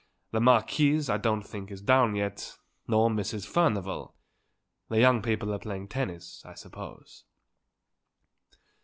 The Marquis I don't think is down yet, nor Mrs. Furnivall; the young people are playing tennis, I suppose."